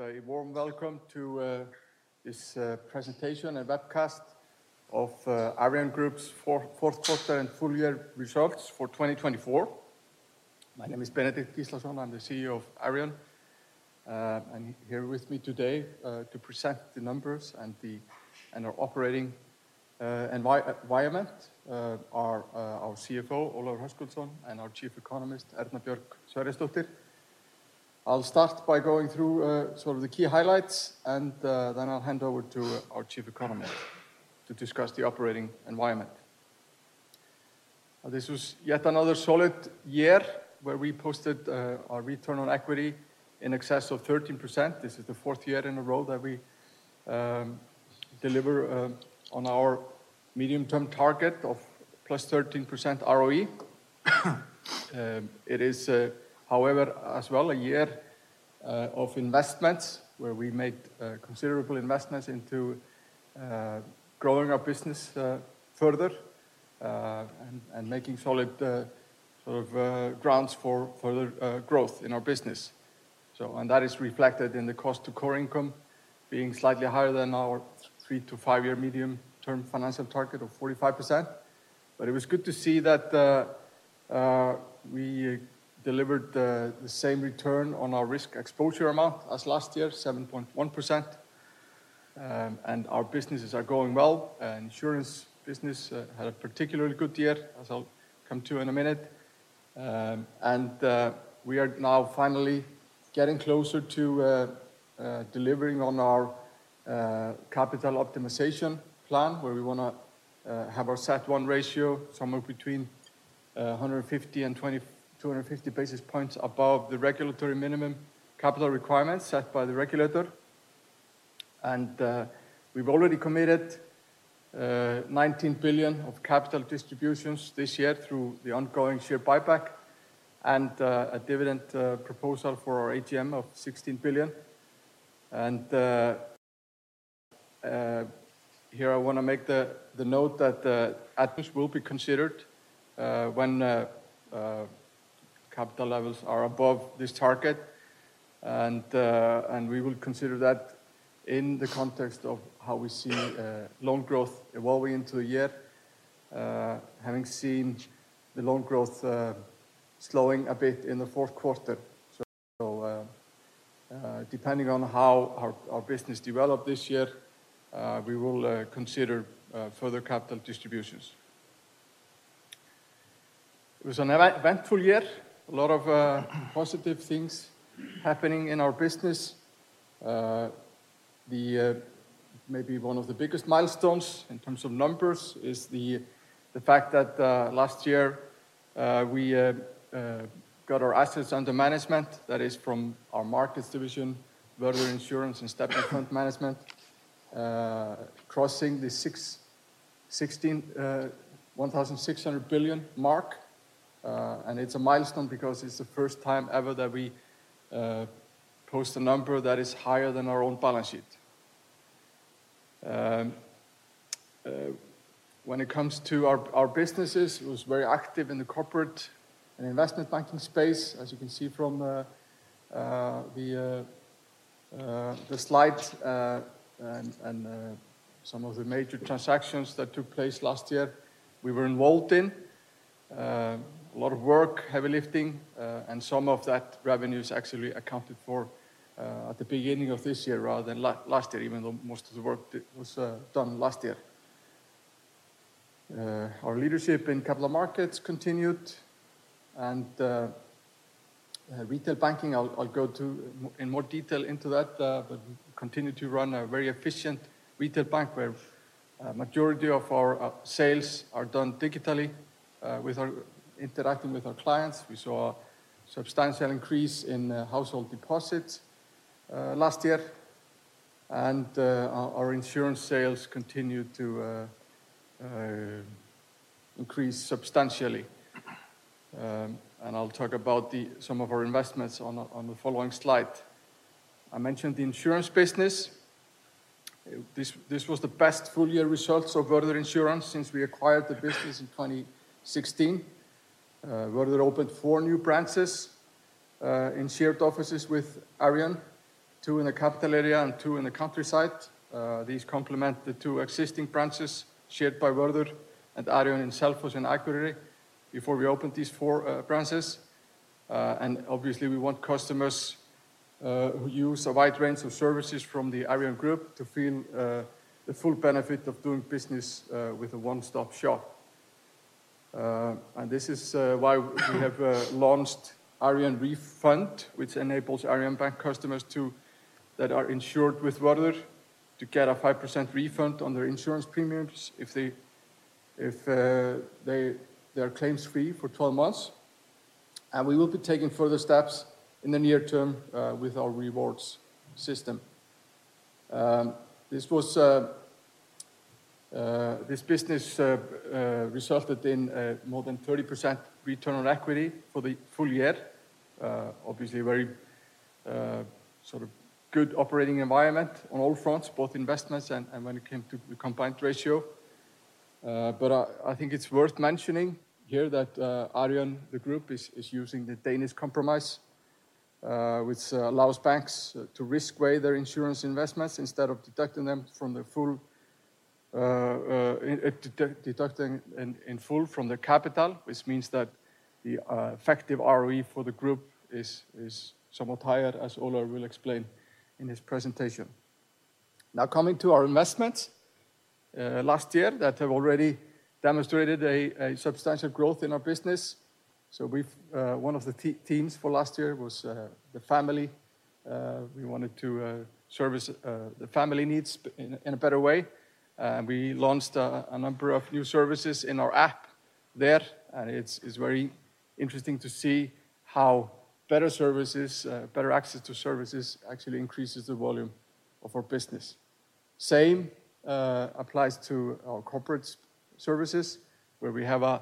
A warm welcome to this presentation and webcast of Arion Group's fourth quarter and full-year results for 2024. My name is Benedikt Gíslason. I'm the CEO of Arion. And here with me today to present the numbers and the operating environment are our CFO Ólafur Hrafn Höskuldsson and our Chief Economist Erna Björg Sverrisdóttir. I'll start by going through sort of the key highlights and then I'll hand over to our Chief Economist to discuss the operating environment. This was yet another solid year where we posted our return on equity in excess of 13%. This is the fourth year in a row that we deliver on our medium term target of plus 13% ROE. It is however as well a year of investments where we made considerable investments into growing our business further and making solid grounds for further growth in our business, and that is reflected in the cost to core income being slightly higher than our three- to five-year medium-term financial target of 45%, but it was good to see that we delivered the same return on our risk exposure amount as last year, 7.1%, and our businesses are going well. Insurance business had a particularly good year as I'll come to in a minute, and we are now finally getting closer to delivering on our capital optimization plan where we want to have our CET1 ratio somewhere between 150-250 basis points above the regulatory minimum capital requirements set by the regulator, and we've already committed 19 billion of capital distributions this year through the ongoing share buyback and a dividend proposal for our AGM of 16 billion. Here I want to make the note that Additional Tier 1 will be considered when capital levels are above this target. We will consider that in the context of how we see loan growth evolving into a year, having seen the loan growth slowing a bit in the fourth quarter. Depending on how our business developed this year, we will consider further capital distributions. It was an eventful year. A lot of positive things happening in our business. Then, maybe one of the biggest milestones in terms of numbers is the fact that last year we got our assets under management, that is from our markets division, Vörður Insurance and Stefnir Fund Management. Crossing the 1,600 billion mark, and it's a milestone because it's the first time ever that we post a number that is higher than our own balance sheet. When it comes to our businesses, it was very active in the corporate and investment banking space as you can see from the slide and some of the major transactions that took place last year we were involved in. A lot of work, heavy lifting and some of that revenue is actually accounted for at the beginning of this year rather than last year. Even though most of the work was done last year. Our leadership in capital markets continued. Retail banking. I'll go in more detail into that. But continue to run a very efficient retail bank where majority of our sales are done digitally interacting with our clients. We saw substantial increase in household deposits last year and our insurance sales continued to increase substantially. I'll talk about some of our investments on the following slide. I mentioned the insurance business. This was the best full year results of Vörður Insurance since we acquired the business in 2016. Vörður opened four new branches in shared offices with Arion. Two in the capital area and two in the countryside. These complement the two existing branches shared by Vörður. And Arion itself was in Akureyri before we opened these four branches. And obviously we want customers who use a wide range of services from the Arion Group to feel the full benefit of doing business with a one stop shop. This is why we have launched Vörður Refund which enables Arion Bank customers that are insured with Vörður to get a 5% refund on their insurance premiums if they are claims free for 12 months. We will be taking further steps in the near term with our rewards system. This business resulted in more than 30% return on equity for the full year. Obviously very sort of good operating environment on all fronts, both investments and when it came to the combined ratio. But I think it's worth mentioning here that Arion the group is using the Danish Compromise which allows banks to risk-weight their insurance investments instead of deducting them from the full. Deducting in full from the capital. Which means that the effective ROE for the group is somewhat higher as Ólafur will explain in his presentation. Now coming to our investments last year that have already demonstrated a substantial growth in our business. So one of the themes for last year was the family. We wanted to service the family needs in a better way. We launched a number of new services in our app there. And it's very interesting to see how better services, better access to services actually increases the volume of our business. Same applies to our corporate services where we have a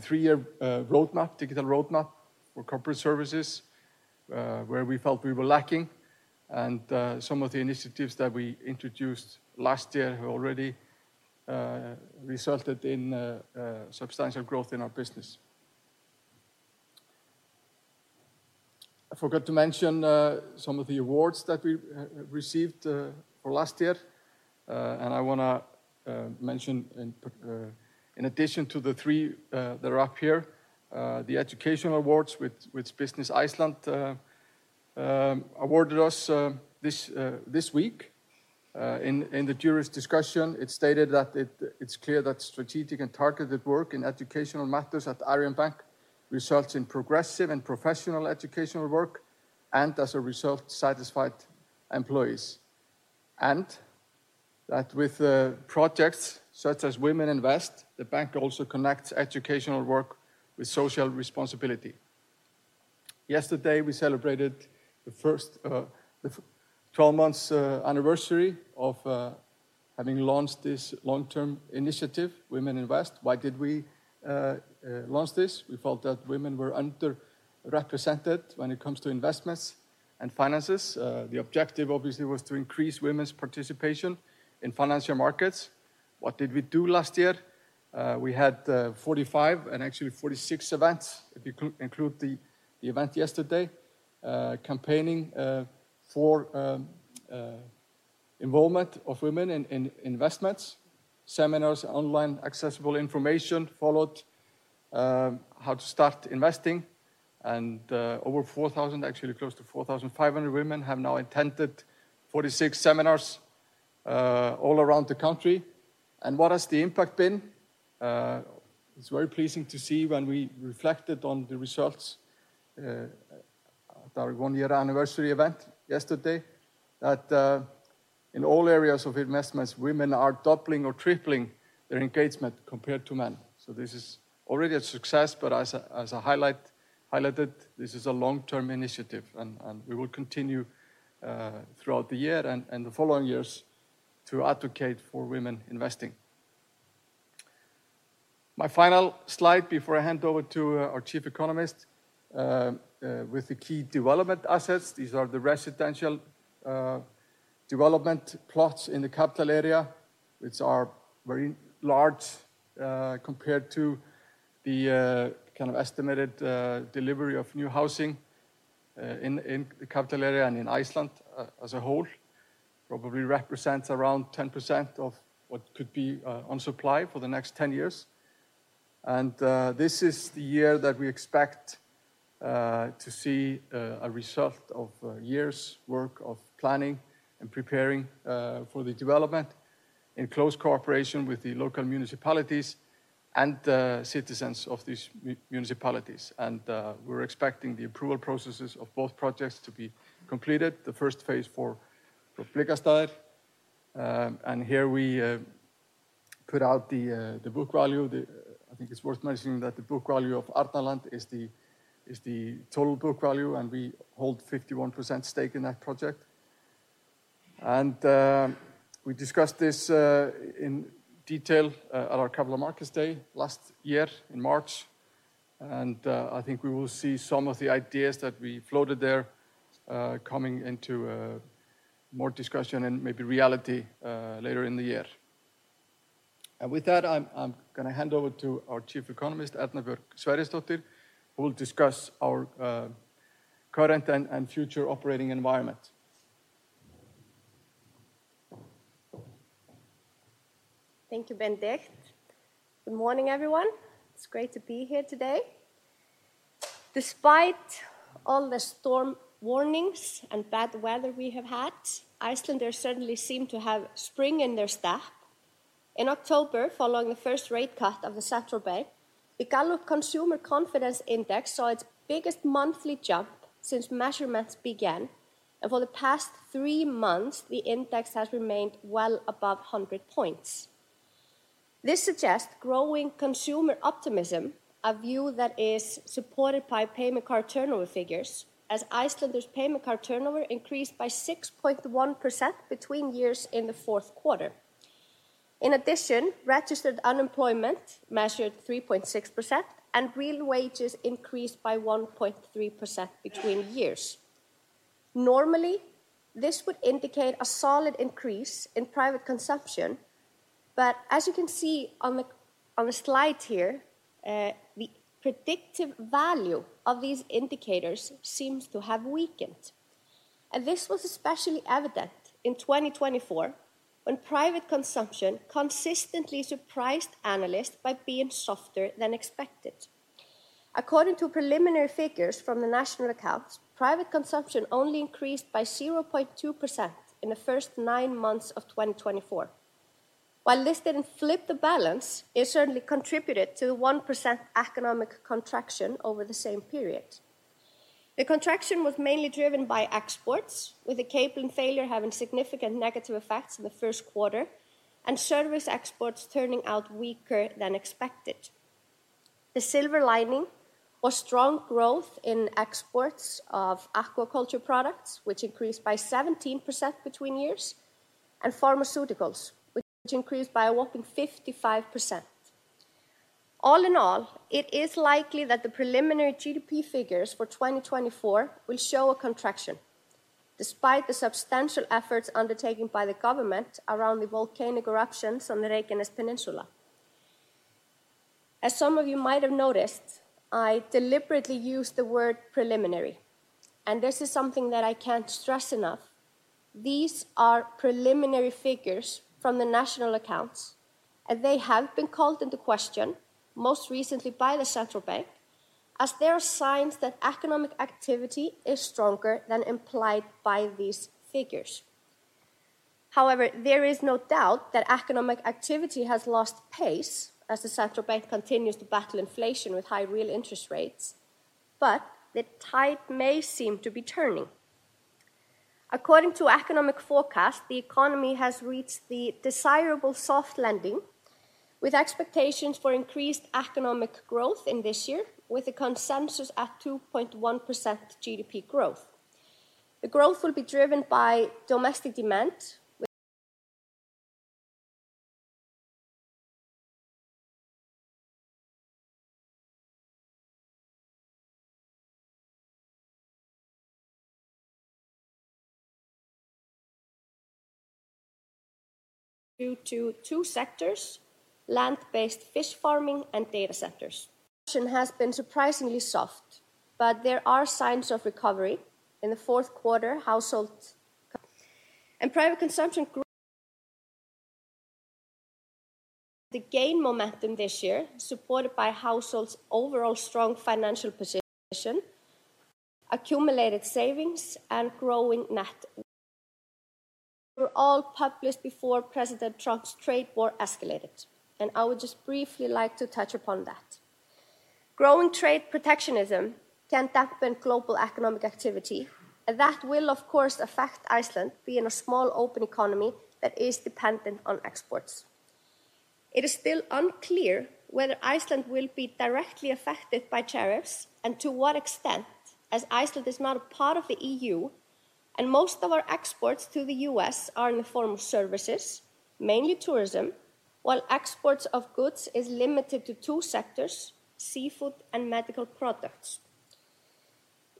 three-year roadmap, digital roadmap for corporate services where we felt we were lacking. And some of the initiatives that we introduced last year already. Resulted in substantial growth in our business. I forgot to mention some of the awards that we received for last year. And I want to mention in addition to the three that are up here, the educational awards which Business Iceland. Awarded us this week. In the jury's discussion, it stated that it's clear that strategic and targeted work in educational matters at Arion Bank results in progressive and professional educational work and, as a result, satisfied employees. And that with projects such as Women Invest, the bank also connects educational work with social responsibility. Yesterday, we celebrated the first 12 months anniversary of having launched this long-term initiative, Women Invest. Why did we launch this? We felt that women were underrepresented when it comes to investments and finances. The objective obviously was to increase women's participation in financial markets. What did we do last year? We had 45 and actually 46 events. If you include the event yesterday, campaigning for involvement of women in investments, seminars, online accessible information followed how to start investing. And over 4,000, actually close to 4,500 women have now attended 46 seminars all around the country. And what has the impact been? It's very pleasing to see when we reflected on the results. Our one-year anniversary event yesterday, that in all areas of investments, women are doubling or tripling their engagement compared to men. So this is already a success. But as I highlighted, this is a long-term initiative and we will continue throughout the year and the following years to advocate for women investing. My final slide before I hand over to our Chief Economist, with the key development assets. These are the residential development plots in the capital area, which are very large compared to the estimated delivery of new housing in the capital area and in Iceland as a whole probably represents around 10% of what could be on supply for the next 10 years, and this is the year that we expect to see a result of years' work of planning and preparing for the development in close cooperation with the local municipalities and citizens of these municipalities, and we're expecting the approval processes of both projects to be completed. The first phase for. [inaudible] Here we put out the book value. I think it's worth mentioning that the book value of Arnarland is the total book value and we hold 51% stake in that project. We discussed this in detail at our Capital Markets Day last year in March. I think we will see some of the ideas that we floated there coming into more discussion and maybe reality later in the year. With that I'm going to hand over to our Chief Economist, Erna Björg Sverrisdóttir, who will discuss our current and future operating environment. Thank you. Benedikt Gíslason. Good morning everyone. It's great to be here today. Despite all the storm warnings and bad weather we have had, Icelanders certainly seem to have spring in their step. In October, following the first rate cut of the central bank, the Gallup Consumer Confidence Index saw its biggest monthly jump since measurements began and for the past three months the index has remained well above 100 points. This suggests growing consumer optimism, a view that is supported by payment card turnover figures as Icelanders' payment card turnover increased by 6.1% between years in the fourth quarter. In addition, registered unemployment measured 3.6% and real wages increased by 1.3% between years. Normally this would indicate a solid increase in private consumption, but as you can see on the slide here, the predictive value of these indicators seems to have weakened. This was especially evident in 2024 when private consumption consistently surprised analysts by being softer than expected. According to preliminary figures from the national accounts, private consumption only increased by 0.2% in the first nine months of 2024. While this didn't flip the balance, it certainly contributed to the 1% economic contraction over the same period. The contraction was mainly driven by exports, with the capelin failure having significant negative effects in the first quarter and service exports turning out weaker than expected. The silver lining was strong growth in exports of aquaculture products which increased by 17% between years, and pharmaceuticals which increased by a whopping 55%. All in all, it is likely that the preliminary GDP figures for 2024 will show a contraction despite the substantial efforts undertaken by the government around the volcanic eruptions on the Reykjanes Peninsula. As some of you might have noticed, I deliberately use the word preliminary and this is something that I can't stress enough. These are preliminary figures from the national accounts and they have been called into question most recently by the central bank as there are signs that economic activity is stronger than implied by these figures. However, there is no doubt that economic activity has lost pace as the central bank continues to battle inflation with high real interest rates. But the tide may seem to be turning. According to economic forecast, the economy has reached the desirable soft landing with expectations for increased economic growth in this year with a consensus at 2.1% GDP growth. The growth will be driven by domestic demand. Due to two sectors. Land-based fish farming and data centers has been surprisingly soft, but there are signs of recovery in the fourth quarter. Household and private consumption grew. The gain momentum this year, supported by households' overall strong financial position. Accumulated savings and growing net were all published before President Trump's trade war escalated and I would just briefly like to touch upon that. Growing trade protectionism can dampen global economic activity. That will of course affect Iceland being a small open economy that is dependent on exports. It is still unclear whether Iceland will be directly affected by tariffs and to what extent, as Iceland is not a part of the E.U. and most of our exports to the U.S. are in the form of services, mainly tourism, while exports of goods is limited to two sectors, seafood and medical products.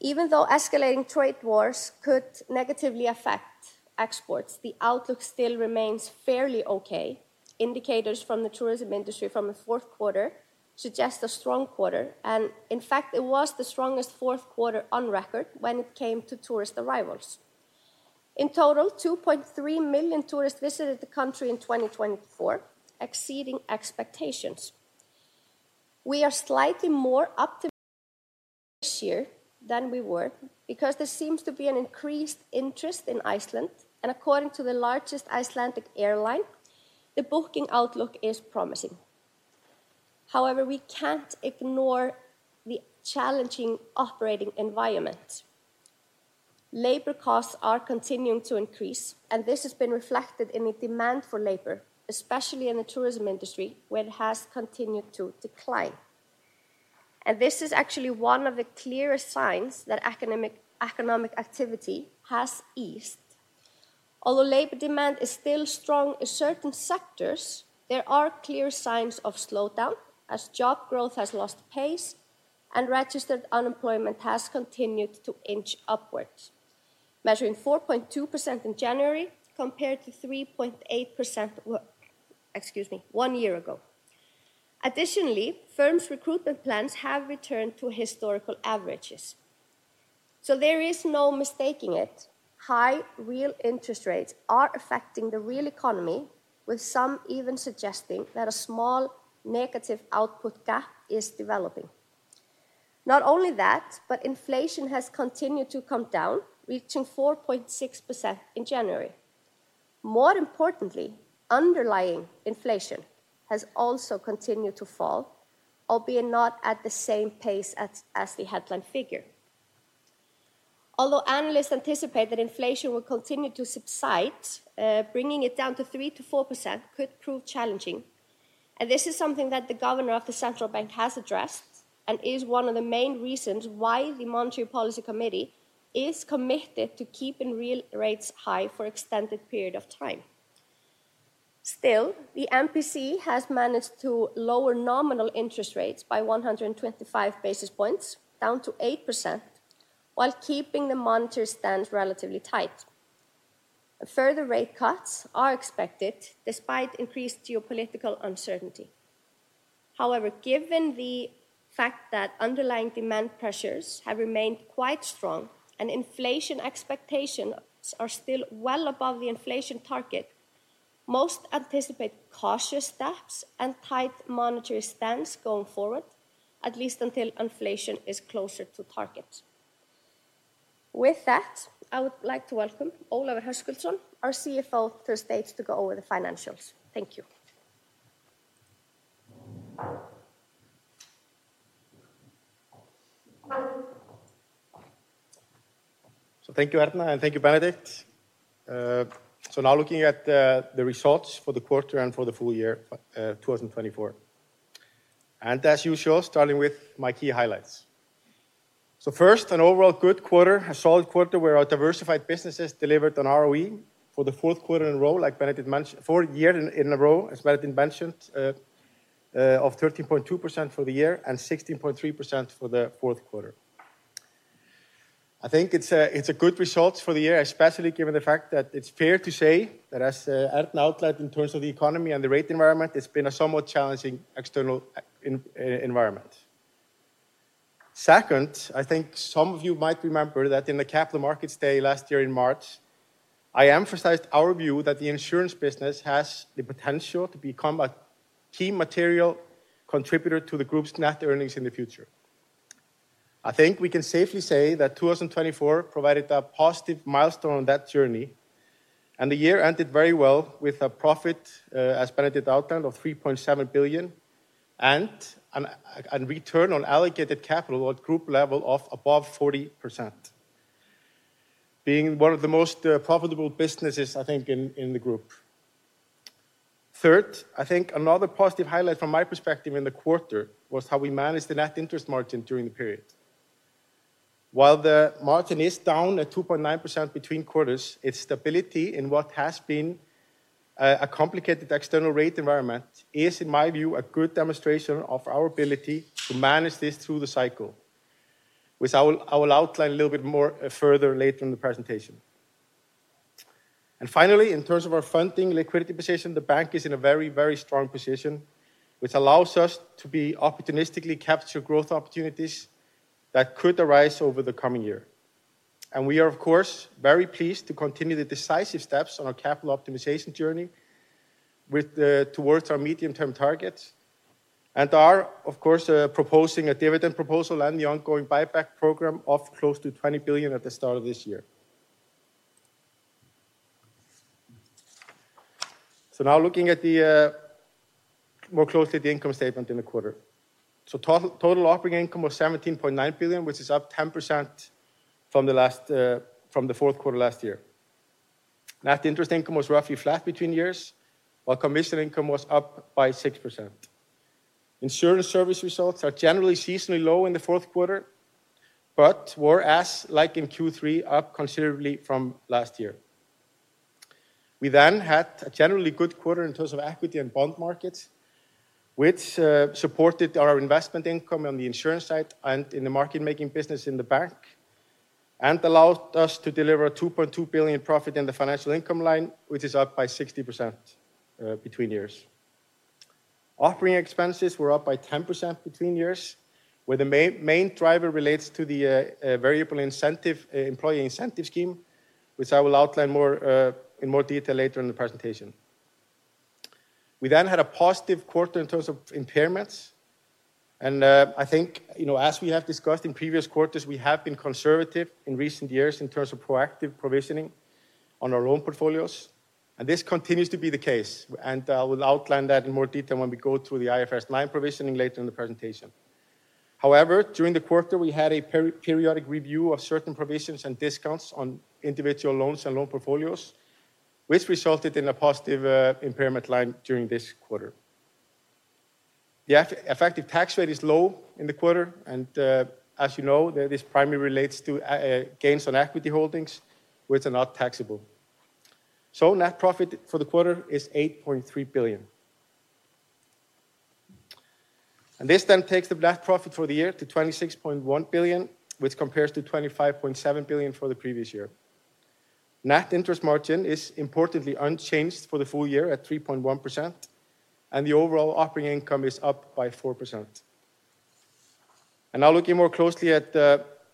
Even though escalating trade wars could negatively affect exports, the outlook still remains fairly okay. Indicators from the tourism industry from the fourth quarter suggest a strong quarter, and in fact it was the strongest fourth quarter on record when it came to tourist arrivals. In total, 2.3 million tourists visited the country in 2024, exceeding expectations. We are slightly more optimistic this year than we were because there seems to be an increased interest in Iceland. According to the largest Icelandic airline, the booking outlook is promising. However, we can't ignore the challenging operating environment. Labor costs are continuing to increase and this has been reflected in the demand for labor, especially in the tourism industry, where it has continued to decline, and this is actually one of the clearest signs that economic activity has eased. Although labor demand is still strong in certain sectors, there are clear signs of slowdown as job growth has lost pace and registered unemployment has continued to inch upwards, measuring 4.2% in January compared to 3.8%. One year ago. Additionally, firms' recruitment plans have returned to historical averages, so there is no mistaking it. High real interest rates are affecting the real economy, with some even suggesting that a small negative output gap is developing. Not only that, but inflation has continued to come down, reaching 4.6% in January. More importantly, underlying inflation has also continued to fall, albeit not at the same pace as the headline figure. Although analysts anticipate that inflation will continue to subside, bringing it down to 3%-4% could prove challenging. And this is something that the Governor of the Central Bank has addressed and is one of the main reasons why the Monetary Policy Committee is committed to keeping real rates high for extended period of time. Still, the MPC has managed to lower nominal interest rates by 125 basis points, down to 8%, while keeping the monetary stance relatively tight. Further rate cuts are expected despite increased geopolitical uncertainty. However, given the fact that underlying demand pressures have remained quite strong and inflation expectations are still well above the inflation target, most anticipate cautious steps and tight monetary stance going forward, at least until inflation is closer to target. With that, I would like to welcome Ólafur Hrafn Höskuldsson, our CFO, to the stage to go over the financials. Thank you. Thank you, Erna. Thank you, Benedikt. Now looking at the results for the quarter and for the full year 2024 and as usual, starting with my key highlights. First, an overall good quarter. A solid quarter where our diversified businesses delivered an ROE for the fourth quarter in a row, like Benedikt mentioned, four years in a row, as Benedikt mentioned, of 13.2% for the year and 16.3% for the fourth quarter. I think it's a good result for the year, especially given the fact that it's fair to say that as Erna outlined in terms of the economy and the rate environment, it's been a somewhat challenging external environment. Second, I think some of you might remember that in the capital markets day last year in March, I emphasized our view that the insurance business has the potential to become a key material contributor to the group's net earnings in the future. I think we can safely say that 2024 provided a positive milestone on that journey and the year ended very well with a profit as Benedikt outlined of 3.7 billion and return on allocated capital at group level of above 40%. Being one of the most profitable businesses I think in the group. Third, I think another positive highlight from my perspective in the quarter was how we managed the net interest margin during the period. While the margin is down at 2.9% between quarters, its stability in what has been a complicated external rate environment is in my view a good demonstration of our ability to manage this through the cycle, which I will outline a little bit more further later in the presentation. Finally, in terms of our funding liquidity position, the bank is in a very, very strong position which allows us to opportunistically capture growth opportunities that could arise over the coming year. We are of course very pleased to continue the decisive steps on our capital optimization journey with towards our medium term targets and are of course proposing a dividend proposal and the ongoing buyback program of close to 20 billion at the start of this year. Now looking more closely at the income statement in the quarter, total operating income was 17.9 billion, which is up 10%. From the fourth quarter last year. Net interest income was roughly flat between years while commission income was up by 6%. Insurance service results are generally seasonally low in the fourth quarter, but were as like in Q3 up considerably from last year. We then had a generally good quarter in terms of equity and bond markets which supported our investment income on the insurance side and in the market making business in the bank and allowed us to deliver 2.2 billion profit in the financial income line which is up by 60% between years. Operating expenses were up by 10% between years where the main driver relates to the variable employee incentive scheme which I will outline in more detail later in the presentation. We then had a positive quarter in terms of impairments and I think as we have discussed in previous quarters, we have been conservative in recent years in terms of proactive provisioning on our loan portfolios and this continues to be the case and I will outline that in more detail when we go through the IFRS 9 provisioning later in the presentation. However, during the quarter we had a periodic review of certain provisions and discounts on individual loans and loan portfolios which resulted in a positive impairment line during this quarter. The effective tax rate is low in the quarter and as you know this primarily relates to gains on equity holdings which are not taxable. So net profit for the quarter is 8.3 billion. This then takes the net profit for the year to 26.1 billion which compares to 25.7 billion for the previous year. Net interest margin is importantly unchanged for the full year at 3.1%. The overall operating income is up by 4%. Now looking more closely at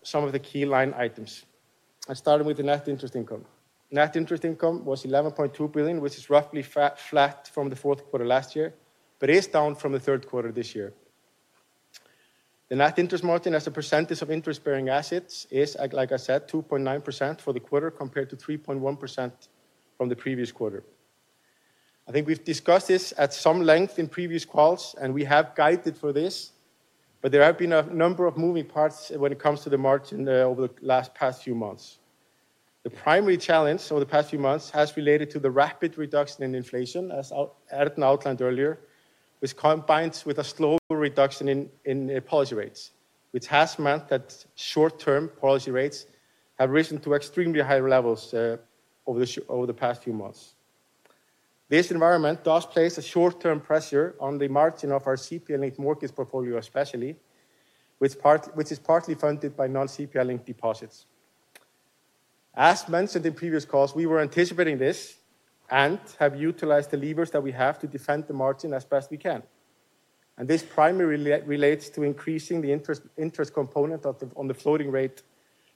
some of the key line items, I started with the net interest income. Net interest income was 11.2 billion which is roughly flat from the fourth quarter last year but is down from the third quarter this year. The net interest margin as a percentage of interest bearing assets is like I said, 2.9% for the quarter compared to 3.1% from the previous quarter. I think we've discussed this at some length in previous calls and we have guided for this, but there have been a number of moving parts when it comes to the margin over the last few months. The primary challenge over the past few months has related to the rapid reduction in inflation as outlined earlier, which combines with a slow reduction in policy rates, which has meant that short-term policy rates have risen to extremely high levels over the past few months. This environment does place short-term pressure on the margin of our CPI-linked mortgage portfolio especially, which is partly funded by non-CPI-linked deposits. As mentioned in previous calls, we were anticipating this and have utilized the levers that we have to defend the margin as best we can, and this primarily relates to increasing the interest component on the floating rate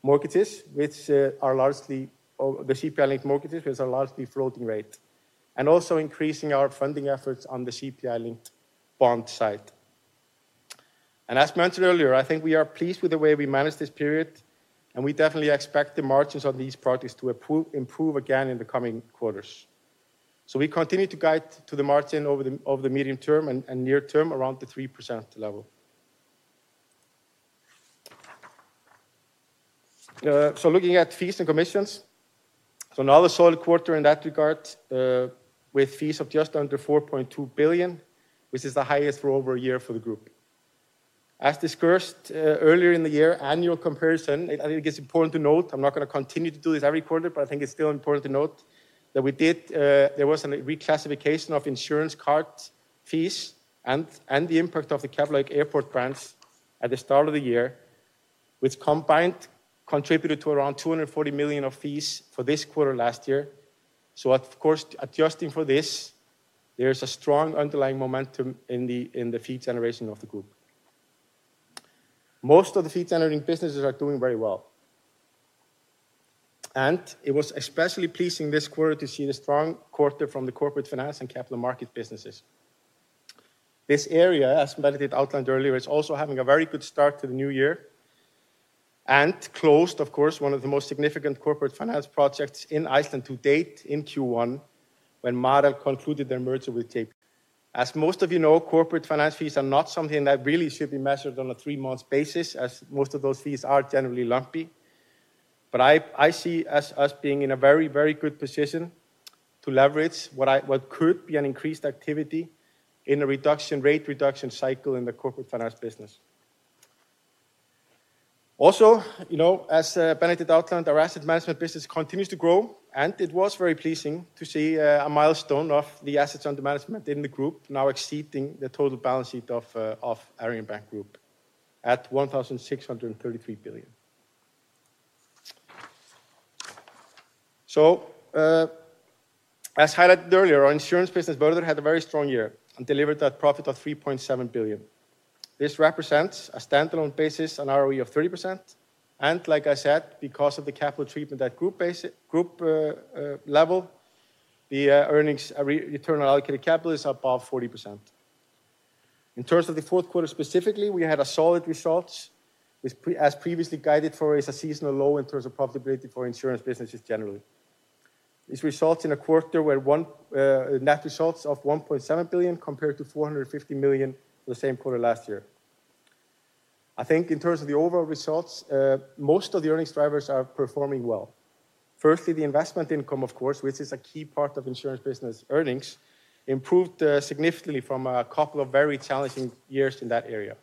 mortgages, which are largely the CPI-linked mortgages, which are largely floating rate, and also increasing our funding efforts on the CPI-linked bond side. As mentioned earlier, I think we are pleased with the way we manage this period and we definitely expect the margins on these projects to improve again in the coming quarters. We continue to guide to the margin over the medium term and near term around the 3% level. Looking at fees and commissions, so now the solid quarter in that regard with fees of just under 4.2 billion, which is the highest for over a year for the group. As discussed earlier in the year annual comparison. I think it's important to note I'm not going to continue to do this every quarter but I think it's still important to note that we did. There was a reclassification of insurance, cards fees and the impact of the Keflavík Airport grants at the start of the year which combined contributed to around 240 million of fees for this quarter last year. So of course adjusting for this there's a strong underlying momentum in the fee generation of the group. Most of the fee generating businesses are doing very well. It was especially pleasing this quarter to see the strong quarter from the corporate finance and capital market businesses. This area as Benedikt outlined earlier is also having a very good start to the new year and closed, of course, one of the most significant corporate finance projects in Iceland to date in Q1 when Marel concluded their merger with JBT. As most of you know, corporate finance fees are not something that really should be measured on a three-month basis as most of those fees are generally lumpy, but I see us being in a very, very good position to leverage what could be an increased activity in a rate reduction cycle in the corporate finance business. Also, you know, as Benedikt outlined, our asset management business continues to grow and it was very pleasing to see a milestone of the assets under management in the group now exceeding the total balance sheet of Arion Bank Group at 1,633 billion. So as highlighted earlier, our insurance business Vörður had a very strong year and delivered that profit of 3.7 billion. This represents on a standalone basis an ROE of 30%. And like I said, because of the capital treatment at group level, the earnings return on allocated capital is above 40% in terms of the fourth quarter specifically. We had a solid result as previously guided for, which is a seasonal low in terms of profitability for insurance businesses generally. This results in a quarter where net results of 1.7 billion compared to 450 million for the same quarter last year. I think in terms of the overall results most of the earnings drivers are performing well. Firstly the investment income of course, which is a key part of insurance business earnings improved significantly from a couple of very challenging years in that area.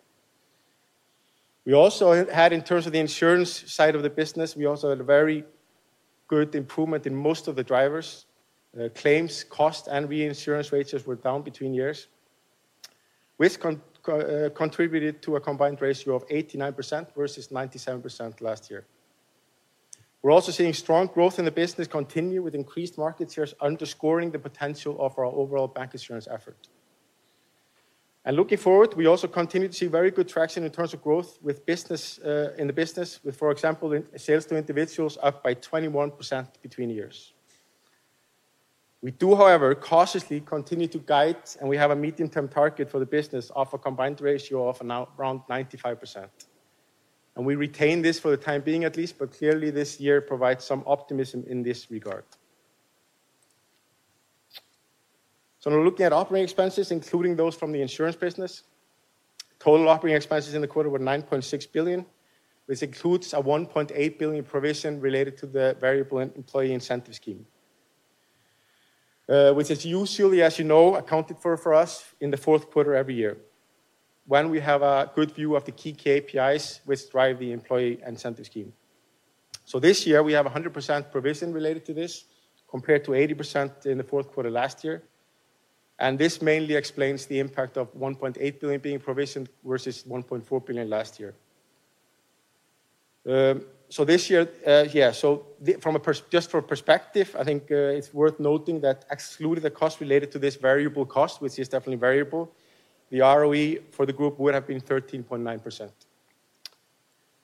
We also had, in terms of the insurance side of the business, a very good improvement in most of the drivers, claims cost, and reinsurance ratios, which were down between years, which contributed to a combined ratio of 89% versus 97% last year. We're also seeing strong growth in the business continue with increased market shares, underscoring the potential of our overall bank assurance effort. And looking forward, we also continue to see very good traction in terms of growth in the business, with, for example, sales to individuals up by 21% between years. We do however cautiously continue to guide and we have a medium term target for the business of a combined ratio of around 95% and we retain this for the time being at least. But clearly this year provides some optimism in this regard. Looking at operating expenses, including those from the insurance business, total operating expenses in the quarter were 9.6 billion, which includes a 1.8 billion provision related to the variable employee incentive scheme. Which is usually, as you know, accounted for us in the fourth quarter every year when we have a good view of the key KPIs which drive the employee incentive scheme. So this year we have 100% provision related to this compared to 80% in the fourth quarter last year. And this mainly explains the impact of 1.8 billion being provisioned versus 1.4 billion last year. This year. Yeah. So, just for perspective, I think it's worth noting that excluding the cost related to this variable cost, which is definitely variable, the ROE for the group would have been 13.9%.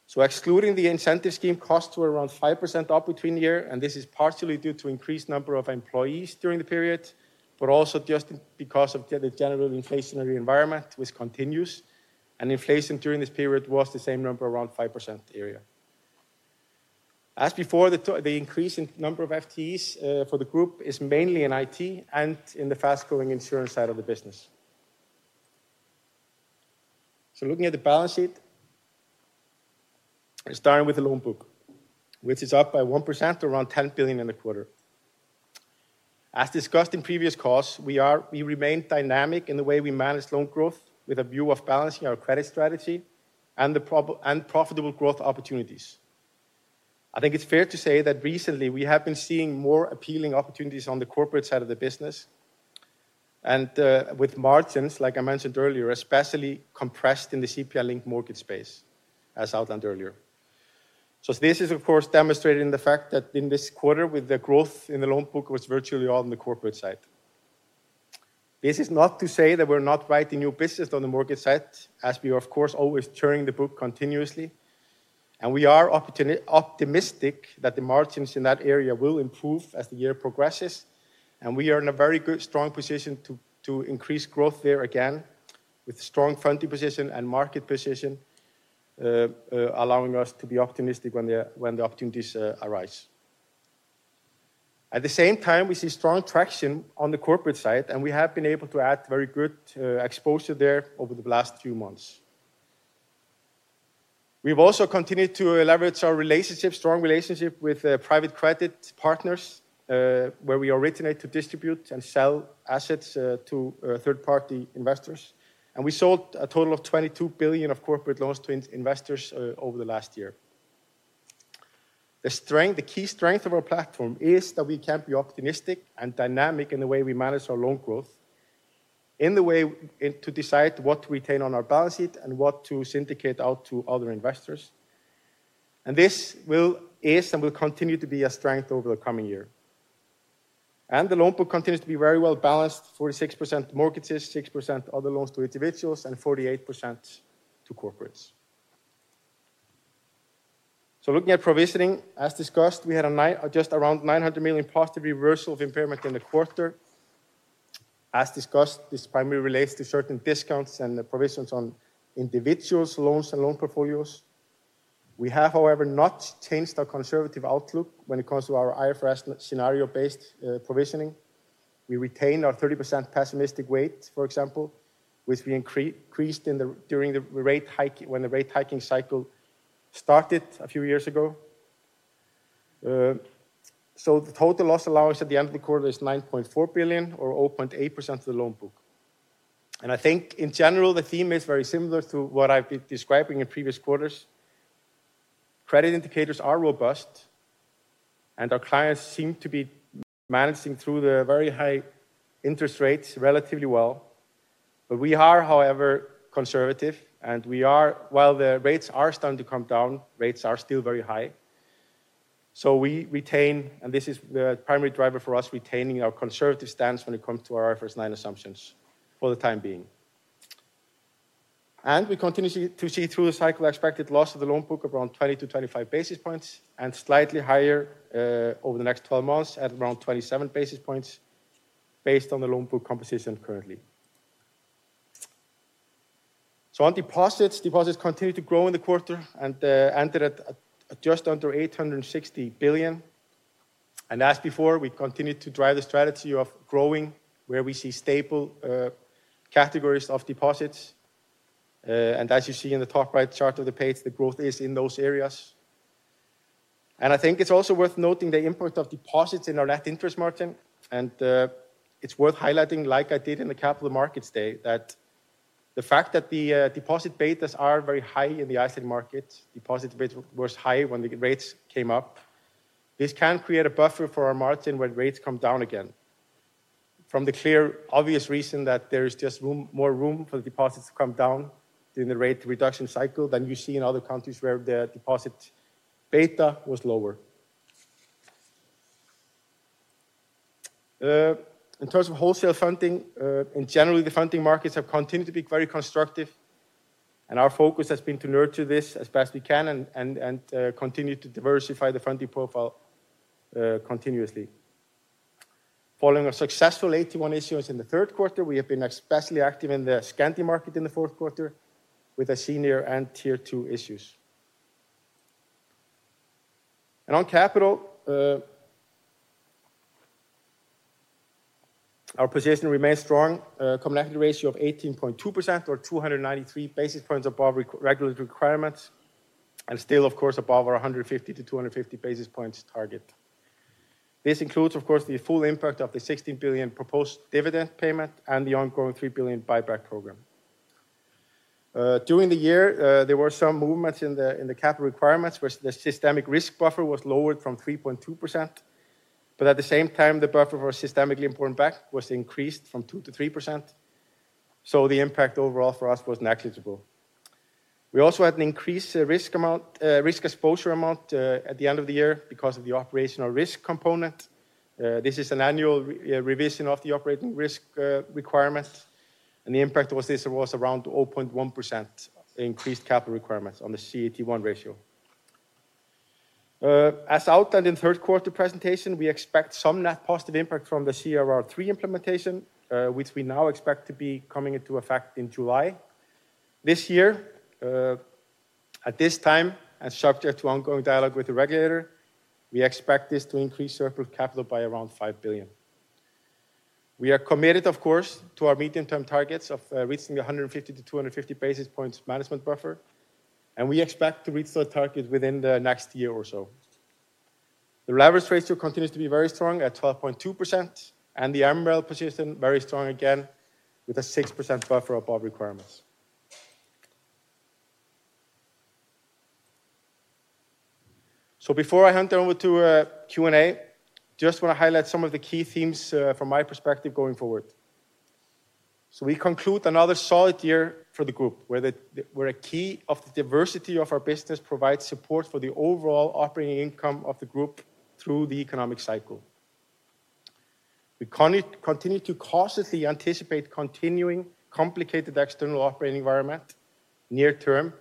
So, excluding the incentive scheme, costs were around 5% up between the year and this is partially due to increased number of employees during the period, but also just because of the general inflationary environment which continues, and inflation during this period was the same number around 5% area. As before. The increase in number of FTEs for the group is mainly in IT and in the fast growing insurance side of the business. Looking at the balance sheet. Starting with the loan book which is up by 1%, around 10 billion in the quarter as discussed in previous calls, we remain dynamic in the way we manage loan growth with a view of balancing our credit strategy and profitable growth opportunities. I think it's fair to say that recently we have been seeing more appealing opportunities on the corporate side of the business and with margins like I mentioned earlier, especially compressed in the CPI linked mortgage space as outlined earlier. So this is of course demonstrating the fact that in this quarter with the growth in the loan book was virtually on the corporate side. This is not to say that we're not writing new business on the mortgage side as we are of course always turning the book continuously and we are optimistic that the margins in that area will improve as the year progresses. We are in a very good strong position to increase growth there again with strong funding position and market position, allowing us to be optimistic when the opportunities arise. At the same time we see strong traction on the corporate side and we have been able to add very good exposure there over the last few months. We've also continued to leverage our strong relationship with private credit partners where we originate to distribute and sell assets to third-party investors. We sold a total of 22 billion of corporate loans to investors over the last year. The key strength of our platform is that we can't be optimistic and dynamic in the way we manage our loan growth, in the way to decide what to retain on our balance sheet and what to syndicate out to other investors. And this is and will continue to be a strength over the coming year. And the loan book continues to be very well balanced. 46% mortgages, 6% other loans to individuals and 48% to corporates. Looking at provisioning, as discussed, we had just around 900 million positive reversal of impairment in the quarter. As discussed, this primary relates to certain discounts and the provisions on individuals, loans and loan portfolios. We have however not changed our conservative outlook when it comes to our IFRS scenario based provisioning. We retain our 30% pessimistic weight, for example, which we increased during the rate hike when the rate hiking cycle started a few years ago. The total loss allowance at the end of the quarter is 9.4 billion or 0.8% of the loan book. I think in general the theme is very similar to what I've been describing in previous quarters. Credit indicators are robust and our clients seem to be managing through the very high interest rates relatively well. We are however conservative and we are while the rates are starting to come down, rates are still very high. We retain and this is the primary driver for us retaining our conservative stance when it comes to our IFRS 9 assumptions for the time being. We continue to see through the cycle expected loss of the loan book around 20-25 basis points and slightly higher over the next 12 months at around 27 basis points based on the loan book composition currently. So on deposits, deposits continue to grow in the quarter and ended at just under 860 billion. And as before, we continue to drive the strategy of growing where we see stable categories of deposits and as you see in the top right chart of the page the growth is in those areas and I think it's also worth noting the import of deposits in our net interest margin and it's worth highlighting like I did in the capital markets day that the fact that the deposit betas are very high in the Iceland market deposit rates was high when the rates came up. This can create a buffer for our margin when rates come down again from the clear obvious reason that there is just more room for the deposits to come down in the rate reduction cycle than you see in other countries where the deposit beta was lower. In terms of wholesale funding. In general, the funding markets have continued to be very constructive and our focus has been to nurture this as best we can and continue to diversify the funding profile continuously. Following a successful AT1 issue in the third quarter, we have been especially active in the capital market in the fourth quarter with a senior and Tier 2 issues. On capital, our position remains strong common equity ratio of 18.2% or 293 basis points above regulatory requirements and still of course above our 150-250 basis points target. This includes of course the full impact of the 16 billion proposed dividend payment and the ongoing 3 billion buyback program. During the year there were some movements in the capital requirements where the systemic risk buffer was lowered from 3.2% but at the same time the buffer for systemically important bank was increased from 2%-3%. So the impact overall for us was negligible. We also had an increased risk exposure amount at the end of the year because of the operational risk component. This is an annual revision of the operational risk requirements and the impact was around 0.1% increased capital requirements on the CET1 ratio. As outlined in third quarter presentation. We expect some net positive impact from the CRR3 implementation which we now expect to be coming into effect in July this year. At this time and subject to ongoing dialogue with the regulator, we expect this to increase core capital by around 5 billion. We are committed of course to our medium term targets of reaching the 150-250 basis points management buffer and we expect to reach those targets within the next year or so. The leverage ratio continues to be very strong at 12.2% and the MREL position very strong again with a 6% buffer above requirements. So before I hand it over to Q&A, I just want to highlight some of the key themes from my perspective going forward. We conclude another solid year for the group where the key to the diversity of our business provides support for the overall operating income of the group through the economic cycle. We continue to cautiously anticipate a continuing complicated external operating environment near term,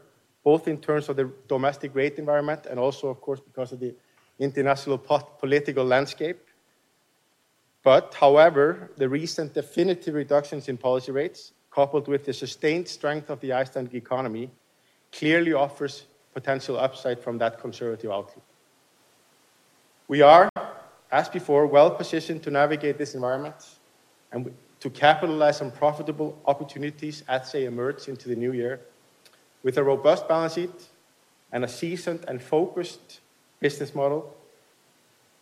both in terms of the domestic rate environment and also, of course, because of the international political landscape. But however, the recent, definitive reductions in policy rates coupled with the sustained strength of the Icelandic economy clearly offers potential upside from that conservative outlook. We are, as before, well positioned to navigate this environment and to capitalize on profitable opportunities as they emerge into the new year with a robust balance sheet and a seasoned and focused business model.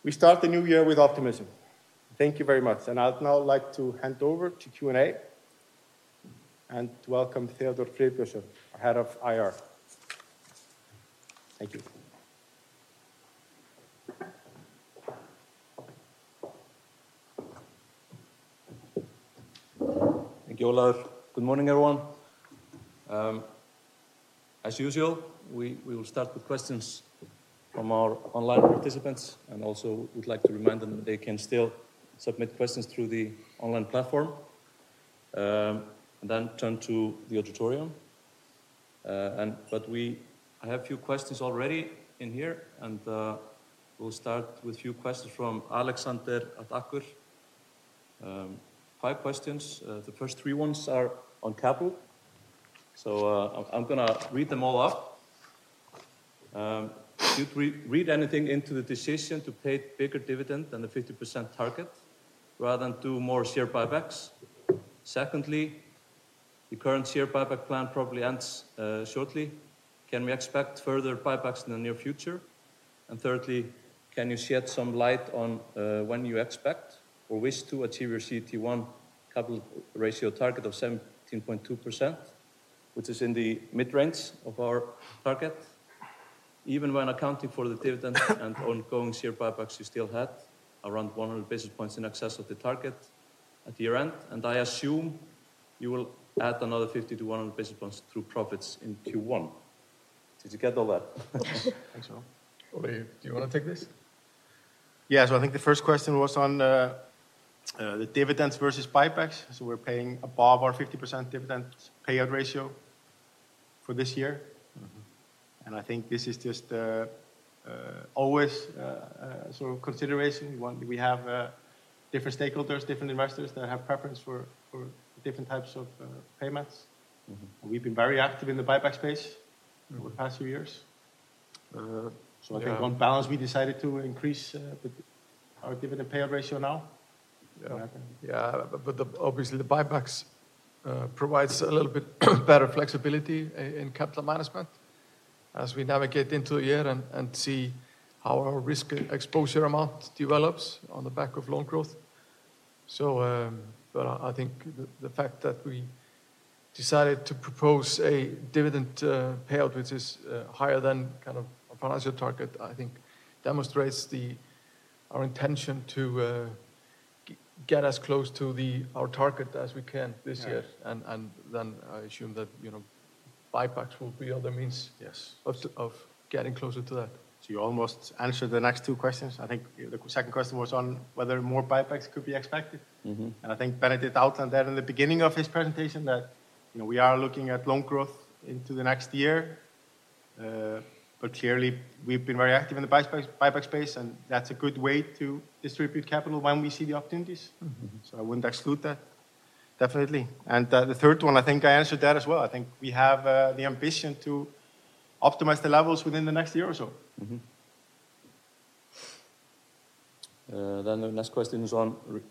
We start the new year with optimism. Thank you very much and I'd now like to hand over to Q&A and welcome Theodór Friðbertsson, Head of Investor Relations. Thank you. Thank you, Ólafur. Good morning everyone. As usual, we will start with questions from our online participants and also would like to remind them that they can still submit questions through the online platform. And then turn to the auditorium. But we have a few questions already in here. And we'll start with a few questions from Alexander at Akur. Five questions. The first three ones are on capital, so I'm going to read them all up. Could you read anything into the decision to pay bigger dividend than the 50% target rather than 2 more share buybacks? Secondly, the current share buyback plan probably ends shortly. Can we expect further buybacks in the near future? And thirdly, can you shed some light on when you expect or wish to achieve your CET1 capital ratio target of 17.2%, which is in the mid range of our target? Even when accounting for the dividend and ongoing share buybacks, you still had around 100 basis points in excess of the target at year end. And I assume you will add another 50-100 basis points through profits in Q1. Did you get all that? Do you want to take this? Yeah. So, I think the first question was on the dividends versus buybacks. So, we're paying above our 50% dividend payout ratio for this year. And I think this is just always sort of consideration. We have different stakeholders, different investors that have preference for different types of payments. We've been very active in the buyback space over the past few years. So, I think on balance we decided to increase our dividend payout ratio now. Yeah, yeah. But obviously the buybacks provides a little bit better flexibility in capital management as we navigate into a year and see how our Risk Exposure Amount develops on the back of loan growth. So. But I think the fact that we decided to propose a dividend payout which is higher than kind of a financial target I think demonstrates our intention to get as close to our target as we can this year. And then I assume that buybacks will be other means of getting closer to that. So you almost answered the next two questions. I think the second question was on whether more buybacks could be expected. And I think Benedikt outlined that in the beginning of his presentation that we are looking at loan growth into the next year. But clearly we've been very active in the buyback space and that's a good way to distribute capital when we see the opportunities. So I wouldn't exclude that definitely. And the third one, I think I answered that as well. I think we have the ambition to optimize the levels within the next year or so. Then the next question is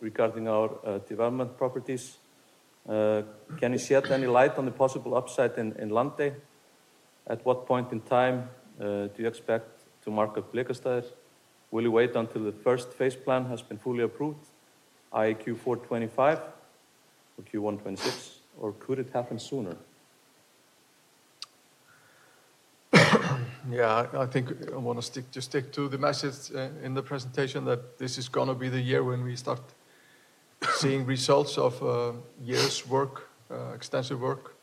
regarding our development properties. Can you shed any light on the possible upside in Landey? At what point in time do you expect to mark up Blikastaðir? Will you wait until the first phase plan has been fully approved? Q4 2025 or Q1 2026? Or could it happen sooner? Yeah, I think I want to stick to the message in the presentation that this is going to be the year when we start seeing results of years' work, extensive work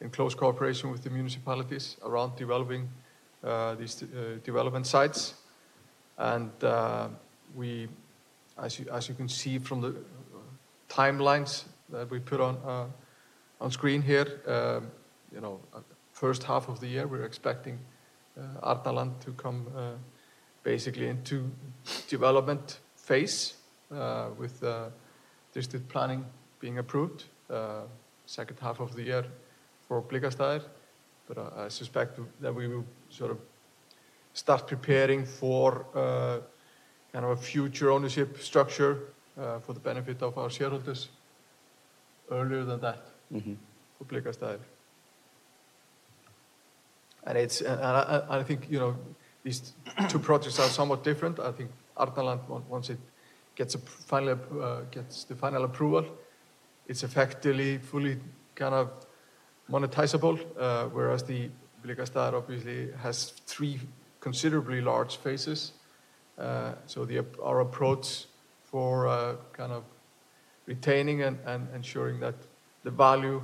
in close cooperation with the municipalities around developing these development sites. And we, as you can see from the timelines that we put on screen here, you know, first half of the year we're expecting Arnarland to come basically into development phase with district planning being approved second half of the year for Blikastaðir. But I suspect that we will sort of start preparing for kind of a future ownership structure for the benefit of our shareholders earlier than that for Blikastaðir. And it's, I think, you know, these two projects are somewhat different. I think Arnarland, once it gets a final, gets the final approval, it's effectively fully kind of monetizable. Whereas the village obviously has three considerably large phases. So our approach for kind of retaining and ensuring that the value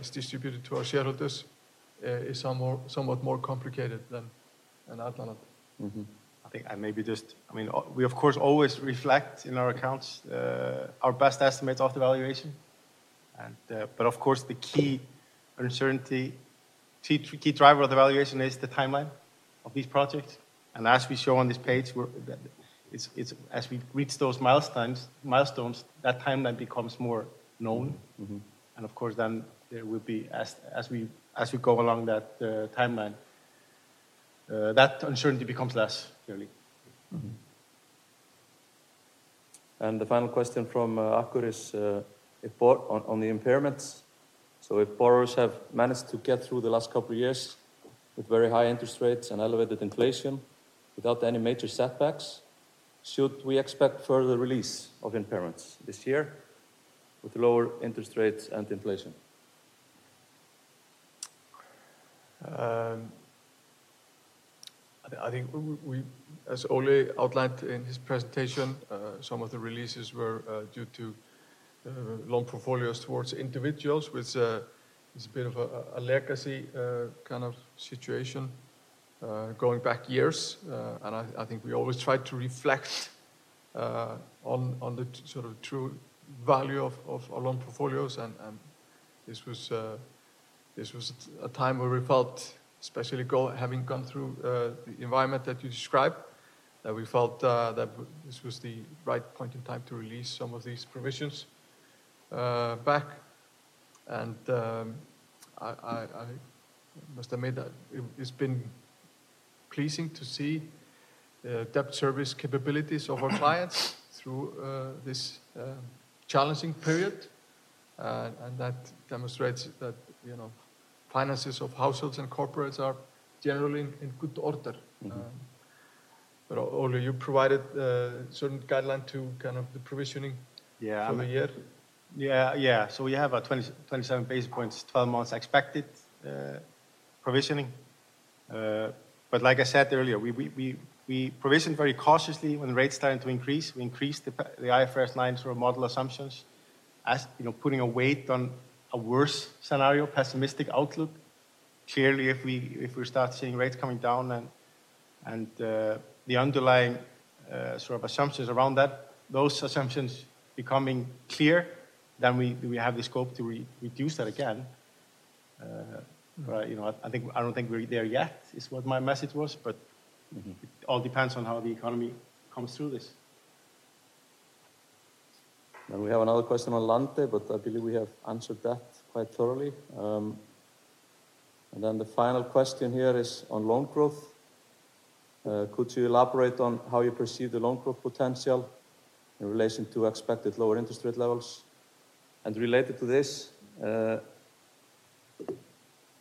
is distributed to our shareholders is somewhat more complicated than alternative. I mean, we of course always reflect in our accounts our best estimates of the valuation. But of course the key uncertainty, key driver of the valuation is the timeline of these projects. And as we show on this page, as we reach those milestones, that timeline becomes more known and of course then there will be, as we go along that timeline, that uncertainty becomes less clearly. The final question from Akur is on the impairments. If borrowers have managed to get through the last couple of years with very high interest rates and elevated inflation without any major setbacks, should we expect further release of impairments this year with lower interest rates and inflation? I think we, as Ólafur outlined in his presentation, some of the releases were due to loan portfolios towards individuals which is a bit of a legacy coming from situation going back years. I think we always tried to reflect on the sort of true value of our loan portfolios. This was a time where we felt, especially having gone through the environment that you described, that we felt that this was the right point in time to release some of these provisions back. And I must admit that it's been pleasing to see debt service capabilities of our clients through this challenging period, and that demonstrates that, you know, finances of households and corporates are generally in good order. Ólafur, you provided certain guidelines to kind of the provisioning. Yeah, yeah, yeah. So we have a 20-27 basis points, 12 months expected provisioning. But like I said earlier, we provisioned very cautiously. When rates starting to increase, we increased the IFRS 9 sort of model assumptions as you know, putting a weight on a worse scenario, pessimistic outlook. Clearly if we start seeing rates coming down and the underlying sort of assumptions around that, those assumptions becoming clear, then we have the scope to reduce that again. I don't think we're there yet is what my message was, but it all depends on how the economy comes through this. We have another question on Landey, but I believe we have answered that quite thoroughly. And then the final question here is on loan growth. Could you elaborate on how you perceive the loan growth potential in relation to expected lower interest rate levels? And related to this.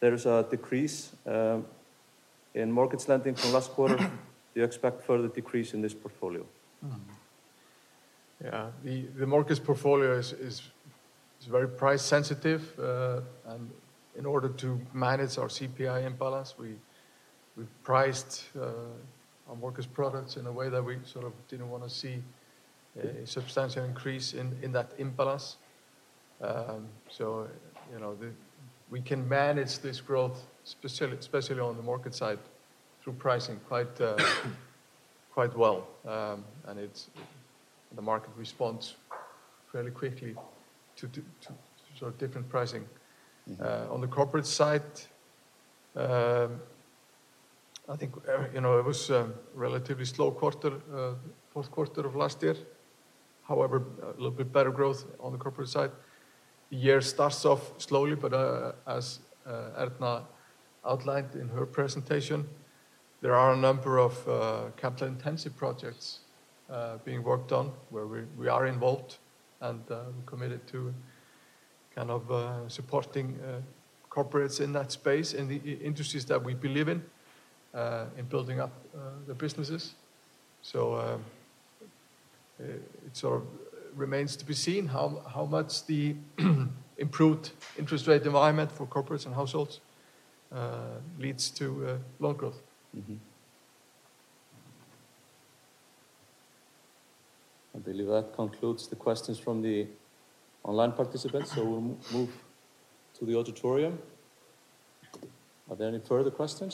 There is a decrease in mortgage lending from last quarter. Do you expect further decrease in this portfolio? Yeah, the mortgage portfolio is very price sensitive, and in order to manage our CPI impacts, we priced our products in a way that we sort of didn't want to see a substantial increase in that impacts. You know, we can manage this growth, especially on the market side through pricing quite well and the market responds fairly quickly to sort of different pricing on the corporate side. I think, you know, it was relatively slow quarter, fourth quarter of last year, however a little bit better growth on the corporate side. The year starts off slowly but as Erna outlined in her presentation, there are a number of capital intensive projects being worked on where we are involved and committed to kind of supporting corporates in that space in the industries that we believe in, in building up the businesses. So, it sort of remains to be seen how much the improved interest rate environment for corporates and households leads to loan growth. I believe that concludes the questions from the online participants. So we'll move to the auditorium. Are there any further questions?